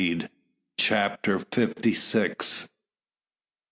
CHAPTER FIFTY SIX.